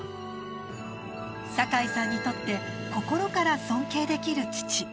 酒井さんにとって心から尊敬できる父。